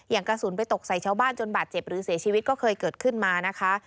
กระสุนไปตกใส่ชาวบ้านจนบาดเจ็บหรือเสียชีวิตก็เคยเกิดขึ้นมานะคะ